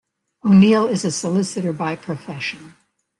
O'Neill is a solicitor by profession.